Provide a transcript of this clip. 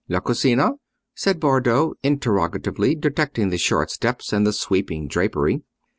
"La cugina?" said Bardo, interrogatively, detecting the short steps and the sweeping drapery.